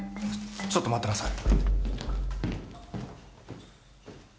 ちょっと待ってなさい。